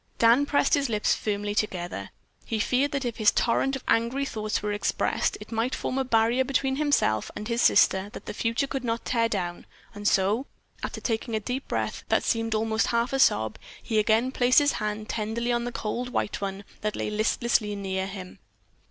Dan pressed his lips firmly together. He feared that if his torrent of angry thoughts were expressed it might form a barrier between himself and his sister that the future could not tear down, and so, after taking a deep breath that seemed almost a half sob, he again placed his hand tenderly on the cold white one that lay listlessly near him.